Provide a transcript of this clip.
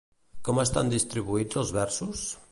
Com estan distribuïts els versos?